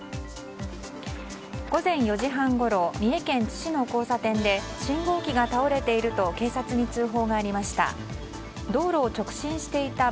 午前４時半ごろ三重県津市の交差点で信号機が倒れていると警察に通報がありました。